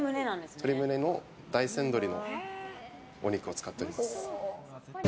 鶏胸の大山鶏のお肉を使っています。